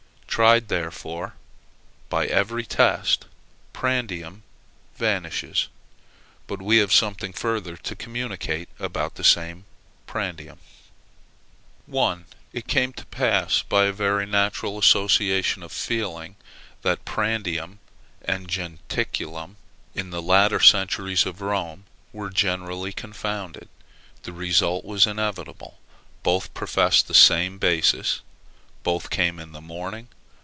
Tried, therefore, by every test, prandium vanishes. But we have something further to communicate about this same prandium. I. It came to pass, by a very natural association of feeling, that prandium and jentuculum, in the latter centuries of Rome, were generally confounded. This result was inevitable. Both professed the same basis Both came in the morning.